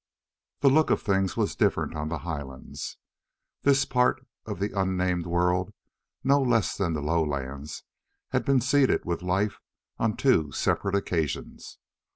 The look of things was different on the highlands. This part of the unnamed world, no less than the lowlands, had been seeded with life on two separate occasions.